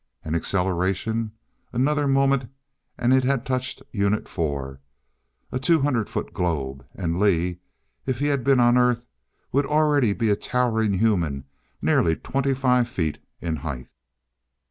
An acceleration! Another moment and it had touched Unit four. A two hundred foot globe. And Lee, if he had been on Earth, would already be a towering human nearly twenty five feet in height!